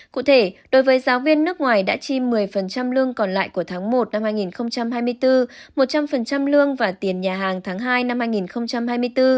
cụ thể đối với giáo viên nước ngoài đã chi một mươi lương còn lại của tháng một năm hai nghìn hai mươi bốn một trăm linh lương và tiền nhà hàng tháng hai năm hai nghìn hai mươi bốn